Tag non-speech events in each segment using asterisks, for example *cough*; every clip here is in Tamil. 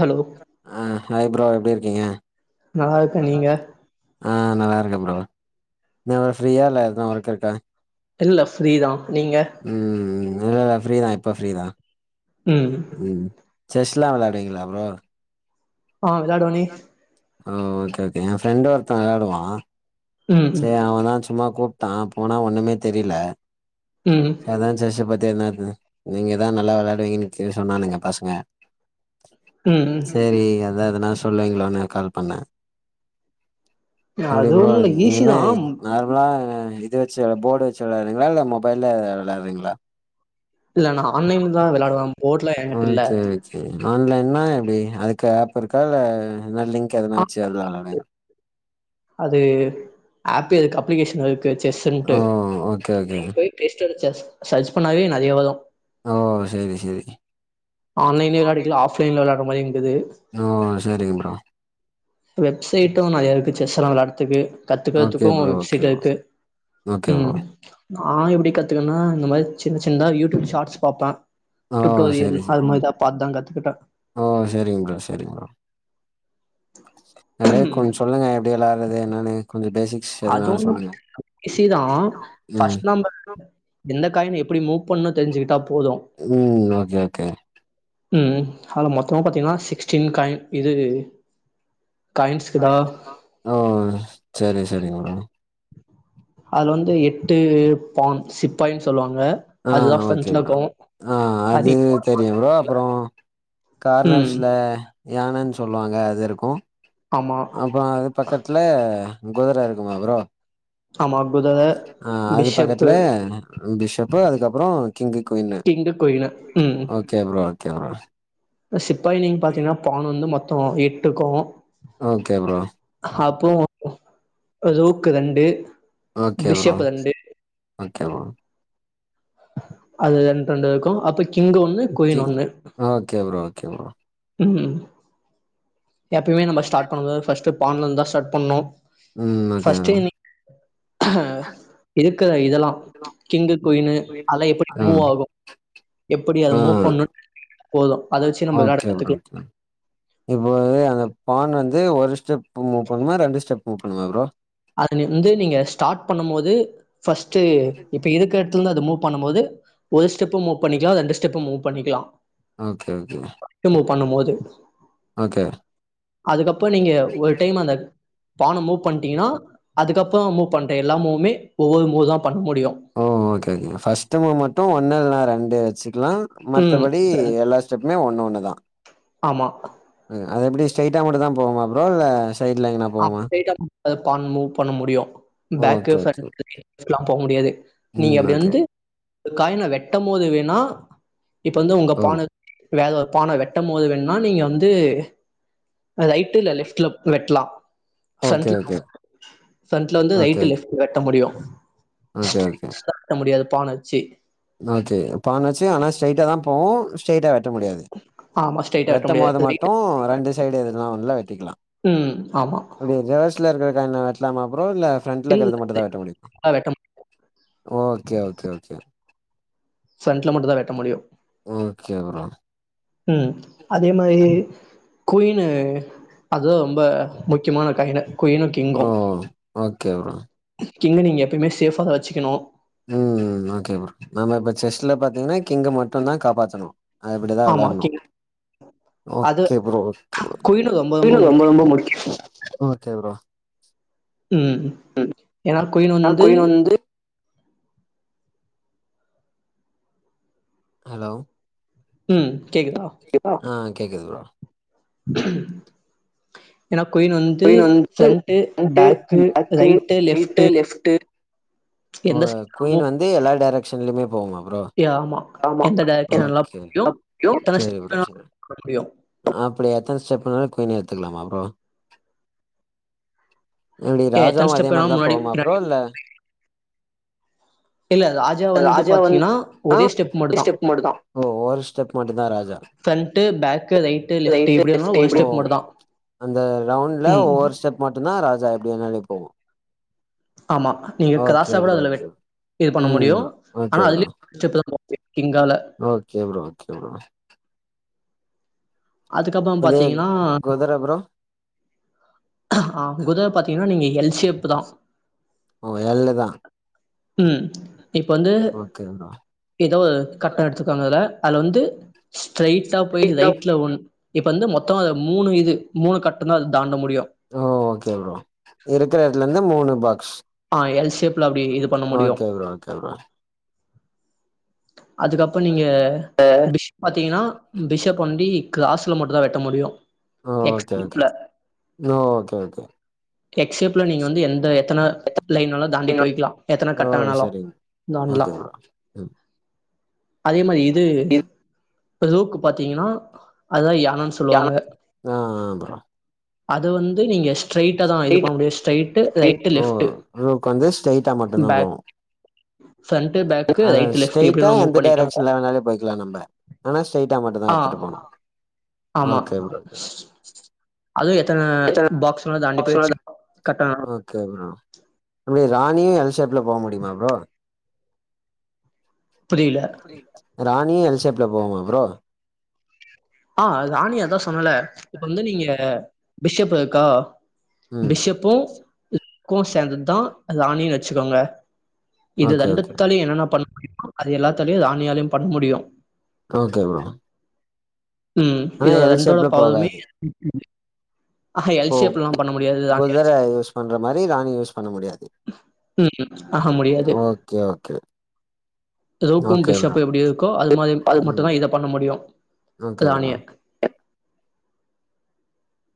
ஹலோ ஆ ஹாய் ப்ரோ எப்டி இருக்கீங்க நல்லா இருக்கே நீங்க ஆ நல்லாருக்கே ப்ரோ என்ன ப்ரோ ஃப்ரீயா இல்ல எதுவ் ஒர்க் இருக்கா இல்ல ஃப்ரீதா நீங்க ம் ம் இல்லல்ல ஃப்ரீதா இப்போ ஃப்ரீதா ம் ம் செஸ்லா வெளையாடுவீங்களா ப்ரோ ஆ வெளாடுவனே ஆ ஓகே ஓகே எ ஃப்ரெண்ட் ஒருத்த வெளாடுவா ம் ம் செரி அவனாச்சு சும்மா கூப்பிட்டா போனா ஒன்னுமே தெரில ம் அத்தா செஸ்ச பத்தி என்னானு நீங்கதா நல்லா விளையாடுவீங்கன்னு சொன்னானுங்க பசங்க ம் ம் செரி அதா எதனா சொல்லுவீங்களோனு கால் பண்ண எப்டி அது ப்ரோ ஒண்ணு இல்ல நீங்க என்ன ஈஸிதா நார்மலா இது வெச்சு போட்டு வெச்ச வெளாடுவிங்களா இல்ல மொபைல்ல விளையாட்றீங்ளா இல்ல நா ஆன்லைன்லதா வெளாடுவே போட்லா எகிட்ட இல்ல சேரி ஆன்லைன்னா எப்டி அதுக்கு ஆப் இருக்கா இல்ல எதுனா லிங்க் ஆ எதுனாச்சு *unintelligible* அது ஆப்பேருக்கு அப்ளிகேஷன் இருக்கு ஓ செஸ்ஸுன்ட்டு ஓகே ஓகே நீங்க பேய் பேஸ்ட்டன் சர்ச் சர்ச் பண்ணாவே நறைய வரு ஓ செரி செரி ஆன்லைன்லயு விளையாடிக்லா ஆஃப்லைன்ல விளையாட்ற மாரியுங்குது ஓ சேரிங்க ப்ரோ வெப்சைட்டு நறைய இருக்கு செஸ்ஸெல்லா வெளையாடத்துக்கு ஓகே கத்துக்கறத்துக்கு ப்ரோ ஓகே வெப்சைட் ப்ரோ இருக்கு ஓகே ப்ரோ ம் நா எப்டி கத்துக்கன்னா இந்த மாரி சின்ன சின்னதா யூட்யூப் ஷாட்ஸ் பாப்ப ஓ டுட்டோரியல் சேரி சேரி அதப்பத்தாங் கத்துக்குட்ட ஓ செரிங் ப்ரோ செரிங் ப்ரோ அப்டியே கொஞ் சொல்லுங்க எப்டி விளையாட்றது என்னனு கொஞ்சோ பேசிக் அது ஒன்னு ப்ரச்சன இல்ல ஈசிதா ம் ஃபஸ்ட் நம்ப எந்த காயின் எப்டி மூவ் பண்ணு தெரிஞ்சுகிட்டா போது ம் ஓகே ஓகே ம் அதுல மொத்தமா பாத்திங்னா சிக்ஸ்ட்டீன் காயின் இது காயின்ஸ்க்குதா ஓ செரி செரிங் ப்ரோ அதுல வந்து எட்டு பான் சிப்பாயின் சொல்லுவாங்க அ அதுதா ஓகே ஃப்ரண்ட்ல ப்ரோ இருக்கு அ அது நீங்க போர்டு தெரியு ப்ரோ பாத்துருக்கீங்களா? அப்பறோ ம் கார்னர்ஸ்ல யானன் சொல்லுவாங்க அது இருக்கு ஆமா அப்றோ அது பக்கத்துல குதுர இருக்குமா ப்ரோ ஆமா குதிர அ அது பிஷப்பு பக்கத்துல பிஷப்பு அதுக்கப்புறோ கிங்கு குயினு கிங்கு குயினு ம் ஓகே ப்ரோ ஓகே ப்ரோ சிப்பாய் நீங் பாத்தீங்னா பானு வந்து மொத்தோ எட்டு இருக்கு ஓகே ப்ரோ அப்புறோ ரூக்கு ரெண்டு ஓகே ப்ரோ பிஷப் ரெண்டு ஓகே ப்ரோ அது ரெண்டு ரெண்டு இருக்கு அப்றோ king one king okay bro okay bro ம் எப்பயுமே நம்ம ஸ்டாட் பண்ணும்போது ஃபஸ்ட்டு பான்ல இருந்தா ஸ்டாட் பண்ணு ம் ஓகே ப்ரோ இருக்குற இதலா கிங்கு குயினு அதலா எப்பிடி ம் மூவாகு எப்பிடி அத ஆ மூவ் பண்ணு தெரிஞ்சுக்குட்டா போது அத வெச்சு நம்ப விளாட ஓகே ப்ரோ கத்துக்கலா இப்போ அந்த பான் வந்து ஒரு ஸ்டெப் மூவ் பண்ணுமா ரெண்டு ஸ்டெப் மூவ் பண்ணுமா ப்ரோ அதுலருந்து நீங்க ஸ்டார்ட் பண்ணும் போது ஃபர்ஸ்ட்டு இப்ப இருக்க எடத்துலந்து அது மூவ் பண்ணும் போது ஒரு ஸ்டெப்பு மூவ் பண்ணிக்லா ரெண்டு ஸ்டெப் மூவ் பண்ணிக்லா ஓகே ஓகே க மூவ் பண்ணும் போது ஓகே அதுக்கப்ப நீங்க ஒரு டைம் அந்த பான மூவ் பண்ணிட்டீங்னா அதுக்கப்பற மூவ் பண்ற எல்லா மூவுமே ஒவ்வொரு மூவுதா பண்ண முடியு ஓ ஓகே ஓகே ஃபஸ்ட்டு மூவ் மட்டு ஒன்னு இல்லனா ரெண்டு வச்சுக்லா ம். மத்தபடி எல்லாஸ் ஸ்டெப்புமே ஒன்னு ஒன்னுதா ஆமா அ அதெப்டி ஸ்ட்ரைட்டா மட்டுந்தா போவுமா ப்ரோ இல்ல சைட்ல எங்னா ஆ ஸ்ட்ரைட்டா மட்டுந்தா பான் மூவ் பண்ண முடியு பேக்கு ஓகே ஓகே ஃப்ரெண்ட் *inaudible* லா போமுடியாது நீங்க ம் அப்டி ஓகே வந்து காயின வெட்டம் போது வேணா இப்பந்து உங்க ஓ பான வேற ஒரு பான வெட்டம் போது வேண்ணா நீங்க வந்து ரைட்டு இல்ல லெஃப்ட்ல வெட்லா ஓகே ஃப்ரன்ட்ல ஓகே ஃப்ரன்ட்ல ஃவந்து ஓகே ரைட் ஓகே லெஃப்ட் வெட்ட முடியு ஓகே ஓகே வெட்ட முடியாது பான் வச்சு ஓகே பான் வச்சு ஆனா ஸ்ட்ரைட்டாடா தா போவு ஸ்ட்ரைட்டா வெட்ட முடியாது ஆமா, ஸ்ட்ரைட்டா வெட்ட வெட்டும் முடியாது. போது ரைட் மட்டு ரெண்டு சைடு எதுனா ஒன்ல வெட்டிக்லா ம். ஆமா. ரி ரிவர்ஸ்ல இருக்கிற காயின வெட்லாமா ப்ரோ இல்ல ஃப்ரண்ட்ல இல்ல இக்றத மட்டு தா வெட்ட முடியுமா லெஃப்ட்ல வெட்ட முடியாது. ஓகே ஓகே ஓகே ஃப்ரண்ட்ல மட்டு தா வெட்ட முடியு ஓகே ப்ரோ ம் அதே மாரி குயினு அது ரொம்ப முக்கியமான காயினு குயினு கிங்கு ஓ ஓகே ப்ரோ கிங்க நீங்க எப்பயுமே சேஃபா தா வச்சுக்கணு ம் ஓகே ப்ரோ நம்ம இப்ப செஸ்ல பாத்தீங்கன்னா கிங்க மட்டுந்தா காப்பாத்தணு அது இப்டிதா ஆமா விளாட்ணு கிங் அது குயினு ரொம்ப ரொம்ப முக்கியோ ஓகே ப்ரோ ம் ஏனா குயின் வந்து ஹலோ ம் கேக்குதா ஆ கேக்குது ப்ரோ *inaudible* ஏனா குயின் வந்து ஃப்ரெண்டு பேக்கு ரைட்டு லெஃப்ட்டு ஓ எந்த சைடு குயின் மூவ் வந்து எல்லா டைரக்ஷன்லயுமே போகுமா ப்ரோ யா ஆமா எந்த டைரக்ஷன் வேணுனாலு போ ஓகே முடியு எத்தன ஸ்டெப் வேணுனாலு போக முடியு ஆ அப்டியா எத்தன ஸ்டெப்னாலு குயின் எடுத்துக்கலாமா ப்ரோ எப்டி ஏ எத்தன ராஜாவு அதே ஸ்டெப் வேணா மாரிதா முன்னாடி போகுமா பின்னாடி ப்ரோ இல்ல இல்ல ராஜா வந்து பாத்தீங்கன்னா ஒரே ஸ்டெப் மட்டு தா ஓ ஒரு ஸ்டெப் மட்டுந்தா ராஜா ஃப்ரண்ட்டு பேக்கு ரை ஓ அந்த ரவுண்ட்ல ம் ஒவ்வொரு ஸ்டெப் மட்டும்தா ராஜா எப்டி வேணும்னாலு போகும் ஆமா நீங்க ஓகே கிராஸா கூட ப்ரோ அதில் வெட்ட இது பண்ண முடியு ம் ஆனா ஓகே ப்ரோ அதுலே ட்ரிப் தா போ முடியும் கிங்கால ஓகே ப்ரோ ஓகே ப்ரோ அதுக்கப்பறோ இது பாத்தீங்கன்னா குதிர ப்ரோ அ குதிரை பாத்தீங்கன்னா நீங்க எல் ஷேப் தா ஒ எள்ளு தா ம் இப்ப வந்து ஓகே ப்ரோ ஏதோ ஒரு கட்டம் எடுத்துக்கோங்க அதுல அதுல வந்து ஸ்ட்ரரைட்டா போய் ரைட்ல ஒண் இப்ப வந்து மொத்தமா அதது மூணு இது மூணு கட்டம் தா அத தாண்ட முடியு ஒ ஓகே ப்ரோ இருக்கிற எடத்துல இருந்து மூணு பாக்ஸ் ஆ எல் ஷேப்ல அப்படி இது பண்ண முடியும். ஓகே ப்ரோ ஓகே ப்ரோ அதுக்கப்பற நீங்க பிஷ் பாத்தீங்கன்னா பிஷப் ஒன்லி கிராஸ்ல மட்டு தா வெட்ட முடியும் அ எக்ஸ் ஓகே ஓகே ஷேப்ல. ஓகே ஓகே எக்ஸ் ஷேப்ல நீங்க வந்து எந்த எத்தன லைன்ல்லா தாண்டி போயிக்கலாம் எத்தனை ஓ கட்டோ வேணும்னாலு சரிங்க ஓகே தாண்டலாம் ப்ரோ ம் அதே மாதிரி இது ரோக்கு பாத்திங்கன்னா அதுதா யானைன்னு சொல்லுவாங்க அ ப்ரோ அது வந்து நீங்க ஸ்ட்ரைட்டா தா இது பண்ண முடியு ஸ்ட்ரைட் ரைட் லெப்ட் ரோக் வந்து ஸ்டெய்ட்டா மட்டுதா போகும் ஃப்ரண்ட்டு பேக்கு ரைட்டு லெஃப்ட்டு எப்டி ஸ்ட்ரைட்டா வேணா மூவ் எந்த பண்ணிக்கலாங்க டைரக்சன்ல வேணும்னாலு போயிக்கலா நம்ப *unintelligible* ஸ்ட்ரெய்ட்டா மட்டுதா ஆ எடுத்துட்டு போனா ஆமா *inaudible* அதுவு எத்தன பாக்ஸ் தாண்டி போயிச்சு கட் ஆனாலு *unintelligible* ராணியும் எல்ஷேப்ல போக முடியுமா ப்ரோ புரியல ராணியு எல்சேப்ல போகுமா ப்ரோ அ ராணி அதுதாசொன்னல இப்ப வந்து நீங்க பிஷப் இருக்கா ம் பிஷப்பு *unintelligible* சேந்ததுதா ராணின்னு வச்சுக்கோங்க இது ஓகே ரெண்டு ஓகே தலையு என்ன எல்லாபண்ண முடியுமோ அது எல்லாத்தையு ராணி ஆளையு பண்ண முடியும் ஓகே ப்ரோ ம் ஆனா இதோட எல் ரெண்டோட ஷேப்ல பாவமே போகாது அ எல் இப்போ ஷேப் எல்லா பண்ண முடியாது குதிர ராணியால யூஸ் பண்ற மாதிரி ராணிய யூஸ் பண்ண முடியாது ம். ஆஹா முடியாது. ஓகே ஓகே ரூக்கும் ஓகே பிஷப் ப்ரோ எப்டி இருக்கோ அது மாதிரி ம் மட்டுதா இத பண்ண முடியும் ஓகே ப்ரோ ராணிய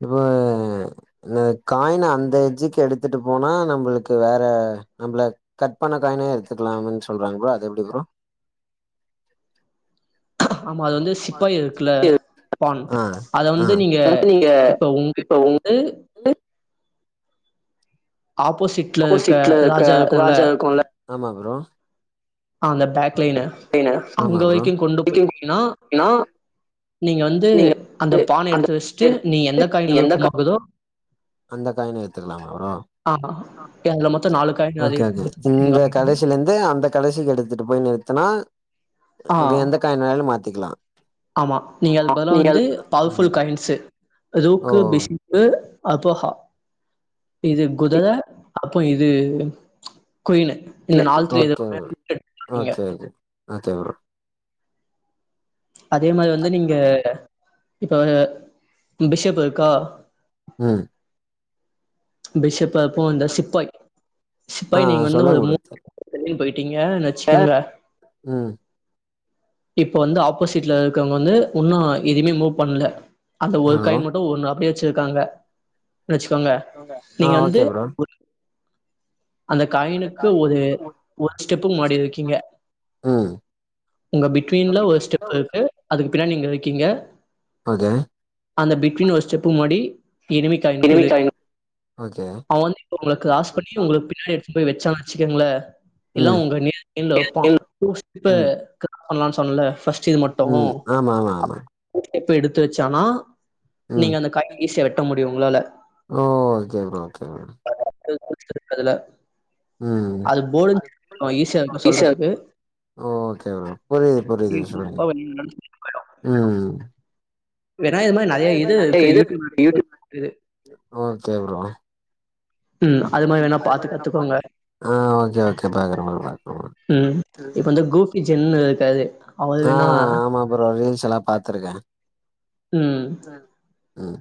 இப்போ இந்த காயின அந்த எஜ்ஜுக்கு எடுத்துட்டு போனா நம்மளுக்கு வேற நம்மள கட் பண்ண காயினே எடுத்துக்கலாம்னு சொல்றாங்க ப்ரோ அது எப்டி ப்ரோ ஆமா அது வந்து சிப்பாயி இருக்குல பான் ஆ அத ஆ வந்து நீங்க இப்ப உங்ககிட்ட இருந்து ஆப்போசிட் அப்போசிட்ல இருக்க ராஜா இருக்கும்ல.... ஆமா ப்ரோ அ அந்த பேக்லைனு அங்க ஆமா ப்ரோ வரைக்கு கொண்டு போய்ட்டீங்கனா நீங்க வந்து அந்த பான எடுத்து வஸ்ட்டு நீ எந்த காய்னு விருப்பமாகுதோ அந்த காய்ன எட்த்துக்குலாமா ஆ அதுல மொத்தம் காயின் அத ஓகே ஓகே எடுத்து இந்த கடசிலர்ந்து அந்த கடசிக்கு எடுத்துட்டு போய் நிறுத்தனா ஆ அது எந்த காய்னாலு மாத்திக்குலா ஆமா நீங்க அதுக்பதுலா வந்து பவர்ஃபுல் ம் காயின்ஸு ஓ லூக்கு பிஷிப் பு அபோஹா இது குதிர அப்றோ இது குயின்னு okay okay okay okay bro அதே மாரி வந்து நீங்க இப்ப ம் பிஷப்பு ம் பிஷப்பு அப்போ இந்த சிப்பாய் ஆ சிப்பாய நீங்க வந்து ஒரு சொல்லுங்க மூ ப்ரோ வெளில் போய்ட்டீங்க நெச்சுக்கோங்க ம் இப்ப வந்து ஆப்போசிட்ல இருக்கவ்ங்க வந்து உன்னூ எதுமே மூவ் பண்ல அந்த ஒரு ஹலோ காய்ன் மட்டு ஒன்னு அப்டியே வச்சிருக்காங்க வச்சுக்கோங்க ஆ நீங்க வந்து ஓகே ப்ரோ ஒரு- அந்த காய்னுக்கு ஒரு ஒரு ஸ்டெப்பு முன்னாடி வக்கீங்க ம் உங்க பிட்வீன்ல ஒரு ஸ்டெப் இருக்கு அதுக்கு பின்னாடி நீங்க வக்கீங்க அத அந்த பிட்வீன் ஒரு ஸ்டெப்பு முன்னாடி எனிமி காய் நிக்குது ஓகே அவன் வந்து இப்ப உங்கள கிராஸ் பண்ணி உங்களுக் பின் னாடி எடுத்துட்டு போய் வச்சான் வச்சுக்குங்ள இல்ல ம் உங்க நேர் என்ல வப்பான் குருஷ் இப்ப ம் *inaudible* பண்ணலான் சொன்னல்ல ஃபஸ்ட்டு இது மட் டுமே ம். ஆமா, ஆமா, அ ஆமா. லூப் இப்ப எடுத்து வச்சானா நீங்க அந்த காய்ன ஈசியா வெட்ட மு டியு உங்ளால ஓ ஓகே ப்ரோ ஓகே ப்ரோ வேற போய் குட்த்திருக் அதுல ம். அது போல்ன் அவன் ஈஸியா வைக்ணு சொல்றதுக்கு ஓகே ப்ரோ புரிது புரிது சொல்ற ம் வேணா இது மாதிரி நிறைய இது இருக்கு யூடியூப் இது ஓகே ப்ரோ ம் அது மாரி வேணா பாத்து கத்துக்கோங்க ஆ ஓகே ஓகே பாக்குற ப்ரோ மறக்கமா மிச்சொன்னு இருக்காது அவ அ வேணா ஆமா ப்ரோ ரீல்ஸெலா பாத்துருக்க ம் ம்.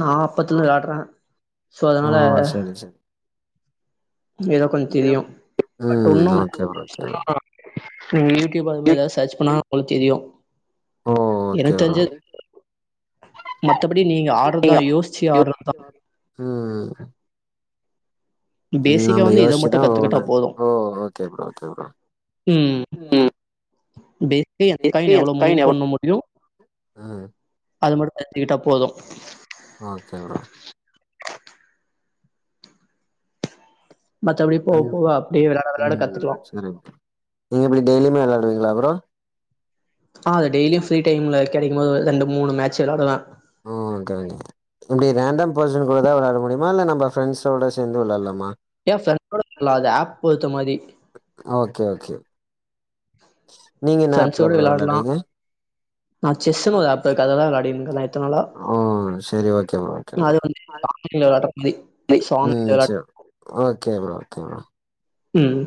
நா அப்பத்துல விளாட்ற ஓ சரி சரி ஏதோ கொஞ்தெரியு பட் ம். உன்னும் ஓகே ப்ரோ, ஓகே ப்ரோ. அ நீங்க யூ டியூப் அது மாரி எதா சர்ச் பண்ணா ஒங்களுக் தெரியு ஓ ஓகே எனக்கு ப்ரோ தெரிஞ்சது மத்தபடி நீங்க ஆட்றதா யோச்சி ஆட்றதா ம் பேசிக்கா நம்ம வந்து இத யோசிச்சு மட்டு தான் கத்துக்கிட்டா ஒவ்வொன்னு போது ஓ! Okay bro, okay bro. ம் பே பெரிய காயின் எவுளோ மூவ் பண்ண முடியு ம். அத மட்டு தெரிஞ்சிக்கிட்டா போது ஓகே ப்ரோ மத்தபடி போவ போவ அப்டியே விளாட விளாட கத்துக்லா கரெக்ட்டு நீங்க எப்டி டெய்லிமே வெள்ளாடுவீங்ளா ப்ரோ ஆ அது டெய்லியு ஃப்ரீ டைம்ல கெடக்கும் போது ரெண்டு மூணு மேட்ச் வெள்ளாடுவ *unintelligible* இப்டி ரேண்டம் பர்சன் கூடதா வெள்ளாட முடியுமா இல்ல நம்ப ஃப்ரண்ட்ஸோட சேந்து வெள்ளாட்லாமா ஏ ஃப்ரெண்டோ *inaudible* அது ஆப் பொறுத்த மாதி அ ஓகே ஓகே நீங்க என்ன ஆப்ல ஃப்ரெண்ட்ஸோட ப்ரோ விளாடலா வெள்ளாடுவீங்க நா செஸ்னு ஒரு ஆப்புருக்கு அதுலதா வெள்ளாடின்க இத்தனாளா ஓ செரி ஓகே ப்ரோ ஓகே ப்ரோ அது வந்து *unintelligible* வெள்ளாயாட்ற மாரி *unintelligible* ம் வெள்ளயாட் செரி ஓகே ப்ரோ ஓகே ப்ரோ ம்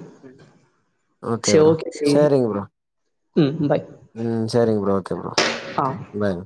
ஓகே சே ப்ரோ ஓகேடி சேரிங்க ப்ரோ ம் பாய் ம் சேரிங் ப்ரோ ஓகே ப்ரோ அ பாய் ம